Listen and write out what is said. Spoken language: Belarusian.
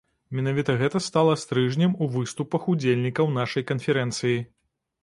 Менавіта гэта стала стрыжнем у выступах удзельнікаў нашай канферэнцыі.